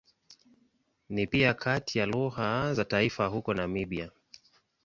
Ni pia kati ya lugha za taifa huko Namibia.